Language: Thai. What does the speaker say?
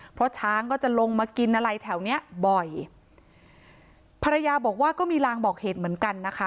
เพราะช้างก็จะลงมากินอะไรแถวเนี้ยบ่อยภรรยาบอกว่าก็มีลางบอกเหตุเหมือนกันนะคะ